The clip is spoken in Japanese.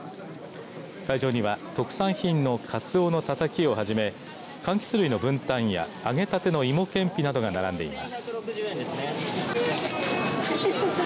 会場には特産品のかつおのたたきをはじめかんきつ類のぶんたんや揚げたての芋けんぴなどが並んでいます。